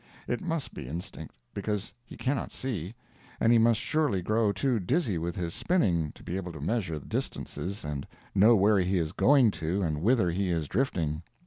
It must be instinct, because he cannot see, and he must surely grow too dizzy with his spinning to be able to measure distances and know where he is going to and whither he is drifting.